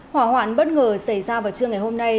hỏa hoạn bất ngờ xảy ra vào trưa ngày hôm nay